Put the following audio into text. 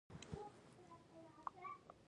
د اور وژنې سیستم په مارکیټونو کې شته؟